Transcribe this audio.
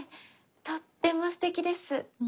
とってもすてきです。